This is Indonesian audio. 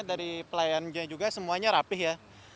dari pelayannya juga semuanya rapih ya